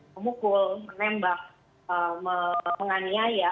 memukul menembak menganiaya